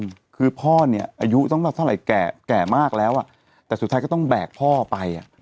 คือพ่อเนี่ยอายุต้องเท่าไหร่แก่แก่มากแล้วอ่ะแต่สุดท้ายก็ต้องแบกพ่อไปอ่ะ